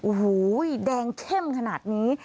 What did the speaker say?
โอ้โหแดงเข้มขนาดนี้